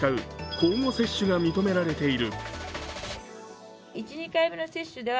交互接種が認められている。